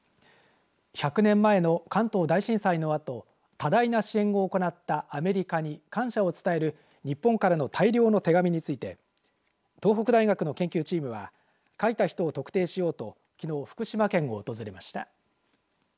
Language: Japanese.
１００年前の関東大震災のあと多大な支援を行ったアメリカに感謝を伝える日本からの大量の手紙について東北大学の研究チームは書いた人を特定しようと、きのう福島県を訪れました。